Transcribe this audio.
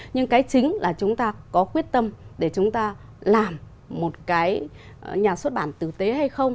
nhưng cái chính là chúng ta có quyết tâm để chúng ta làm một cái nhà xuất bản tử tế hay không